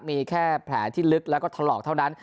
มีแค่แผลที่ลึกแล้วก็ถลอกเท่านั้น